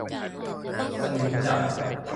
สนิมจับ